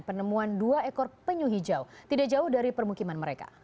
penemuan dua ekor penyu hijau tidak jauh dari permukiman mereka